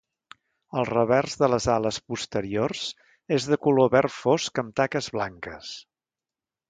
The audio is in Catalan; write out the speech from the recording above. El revers de les ales posteriors és de color verd fosc amb taques blanques.